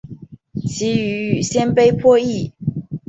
其语与鲜卑颇异。